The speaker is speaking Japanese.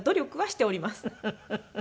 フフフフ。